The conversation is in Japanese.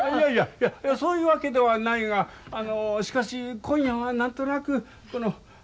いやいやそういうわけではないがあのしかし今夜は何となくこの。